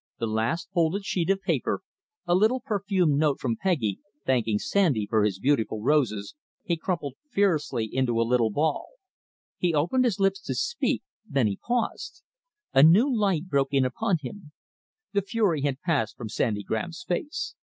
The last folded sheet of paper a little perfumed note from Peggy, thanking Sandy for his beautiful roses he crumpled fiercely into a little ball. He opened his lips to speak, then he paused. A new light broke in upon him. The fury had passed from Sandy Graham's face.